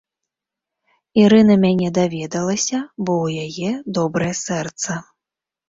Ірына мяне даведалася, бо ў яе добрае сэрца.